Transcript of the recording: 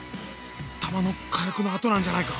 弾の火薬の跡なんじゃないか？